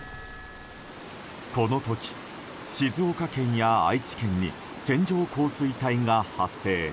この時、静岡県や愛知県に線状降水帯が発生。